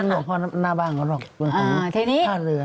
ไม่ว่าหน้าบ้านก็หรอกตัวของถ้าเรือ